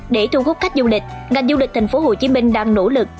để thu hút khách du lịch ngành du lịch thành phố hồ chí minh đang nỗ lực